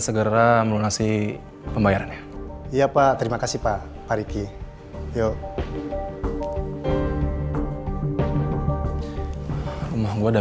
segera melunasi pembayarannya iya pak terima kasih pak pariki yo yo hai rumah gue udah